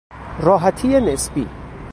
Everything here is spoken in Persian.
راحتی نسبی